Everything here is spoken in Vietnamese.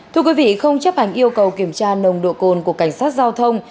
thưa quý vị không chấp hành yêu cầu kiểm tra nồng độ cồn của cảnh sát giao thông